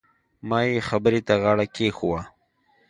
ما يې خبرې ته غاړه کېښووه.